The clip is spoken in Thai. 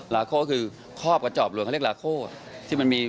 ลาโคคือครอบกับจอบทั้งหมดนี่